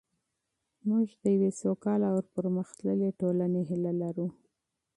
موږ د یوې سوکاله او پرمختللې ټولنې هیله لرو.